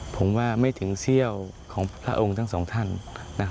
ผมว่าไม่ถึงเซี่ยวของพระองค์ทั้งสองท่าน